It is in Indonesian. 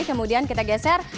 kemudian kita geser